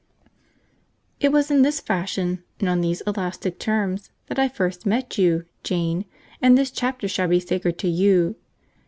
It was in this fashion and on these elastic terms that I first met you, Jane, and this chapter shall be sacred to you!